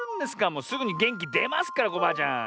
もうすぐにげんきでますからコバアちゃん。